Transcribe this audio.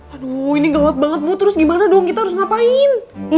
aduh ini gawat banget bu terus gimana dong kita harus ngapain